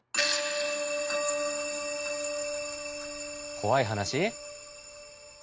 怖い話？